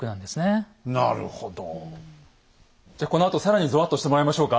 じゃこのあと更にぞわっとしてもらいましょうか。